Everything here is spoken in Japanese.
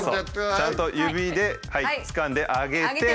ちゃんと指でつかんで上げて。